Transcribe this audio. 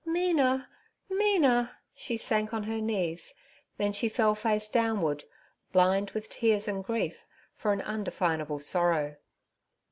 'Mina, Mina!' She sank on her knees, then she fell face downward, blind with tears and grief for an undefinable sorrow.